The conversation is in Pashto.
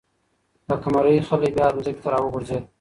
د قمرۍ خلی بیا ځمکې ته راوغورځېد.